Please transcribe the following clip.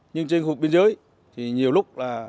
nhưng trên khu vực biên giới thì nhiều lúc là